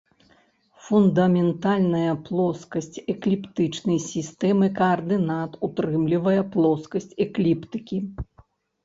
Фундаментальная плоскасць экліптычнай сістэмы каардынат ўтрымлівае плоскасць экліптыкі.